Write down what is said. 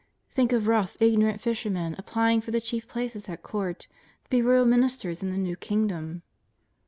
Think of rough, ignorant fishermen applying for the chief places at Court, to be royal ministers in the new Kingdom!